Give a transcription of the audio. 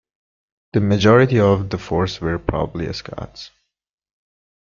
The majority of the force were probably Scots.